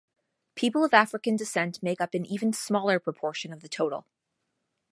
People of African descent make up an even smaller proportion of the total.